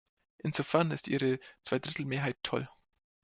Insofern ist Ihre Zweidrittelmehrheit toll.